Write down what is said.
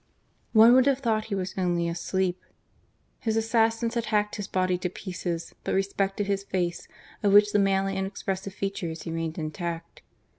One would have thought he was only asleep. His assassins had hacked his body to pieces, but respected his face, of which the manly and expres sive features remained intact.